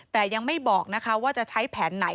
แต่ยังไม่บอกนะคะว่าจะใช้แผนไหน